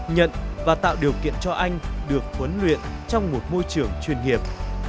nhận và tạo điều kiện cho anh được huấn luyện trong một môi trường chuyên nghiệp